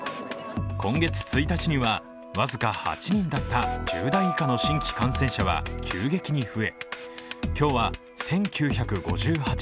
今月１日には僅か８人だった１０代以下の新規感染者は急激に増え、今日場１９５８人。